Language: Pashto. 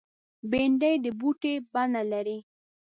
بېنډۍ د بوټي بڼه لري